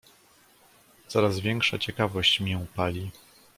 "Coraz większa ciekawość mię pali!"